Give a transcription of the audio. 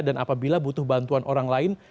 dan apabila butuh bantuan orang lain